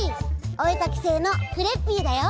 おえかきせいのクレッピーだよ！